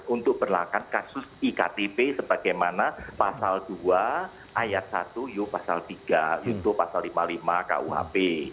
untuk berlakukan kasus iktp sebagaimana pasal dua ayat satu yu pasal tiga yunto pasal lima puluh lima kuhp